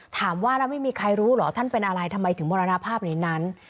ถามว่าแล้วไม่มีใครรู้เหรอท่านเป็นอะไรทำไมถึงมรณภาพในนั้น